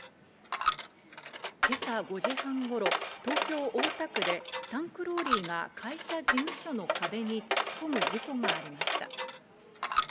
今朝５時半頃、東京・大田区でタンクローリーが会社事務所の壁に突っ込む事故がありました。